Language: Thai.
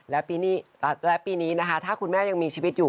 และปีนี้นะคะถ้าคุณแม่ยังมีชีวิตอยู่